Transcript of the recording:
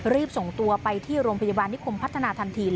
รีบส่งตัวไปที่โรงพยาบาลนิคมพัฒนาทันที